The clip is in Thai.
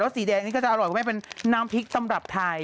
สีแดงนี่ก็จะอร่อยคุณแม่เป็นน้ำพริกตำรับไทย